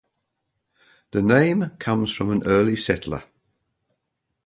The name comes from an early settler.